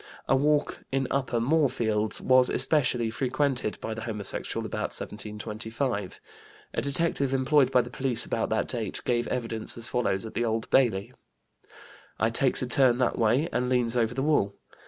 A walk in Upper Moorfields was especially frequented by the homosexual about 1725. A detective employed by the police about that date gave evidence as follows at the Old Bailey; "I takes a turn that way and leans over the wall.